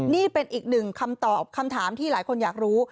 นี่เป็นอีกหนึ่งคำตอบคำถามที่หลายคนอยากรู้